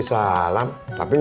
mas rumah stupid